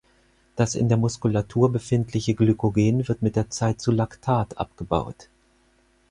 Das in der Muskulatur befindliche Glykogen wird mit der Zeit zu Lactat abgebaut.